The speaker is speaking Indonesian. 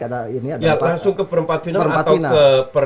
ya langsung ke perempat final